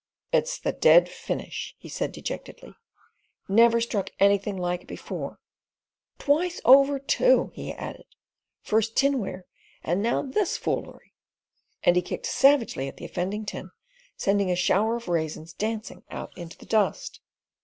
"It's the dead finish," he said dejectedly; "never struck anything like it before. Twice over too," he added. "First tinware and now this foolery"; and he kicked savagely at the offending tin, sending a shower of raisins dancing out into the dust.